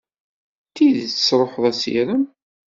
D tidet tesṛuḥed assirem.